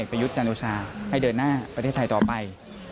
ก็ได้เดินหน้าประเทศไทยต่อไป